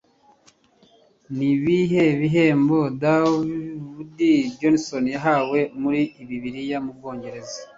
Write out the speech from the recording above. Ni ibihe bihembo David Jason yahawe muri bibiri mu Bwongereza